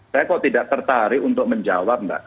saya kok tidak tertarik untuk menjawab mbak